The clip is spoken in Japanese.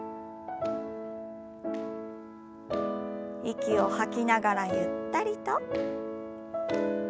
息を吐きながらゆったりと。